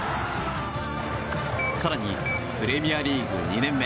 更に、プレミアリーグ２年目